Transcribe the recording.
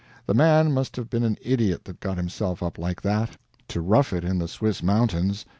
The man must have been an idiot that got himself up like that, to rough it in the Swiss mountains.